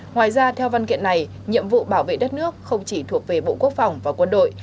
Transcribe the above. ngoài ra theo văn kiện này nhiệm vụ bảo vệ đất nước không chỉ thuộc về bộ quốc phòng và quân đội